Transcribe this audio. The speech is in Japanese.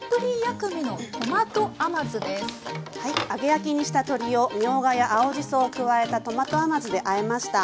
揚げ焼きにした鶏をみょうがや青じそを加えたトマト甘酢であえました。